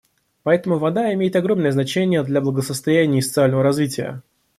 Поэтому вода имеет огромное значение для благосостояния и социального развития.